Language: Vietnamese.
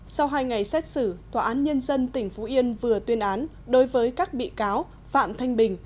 sau hai ngày xét xử tòa án nhân dân tỉnh phú yên vừa tuyên án đối với các bị cáo phạm thanh bình